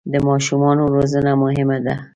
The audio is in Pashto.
د ماشومانو روزنه مهمه ده.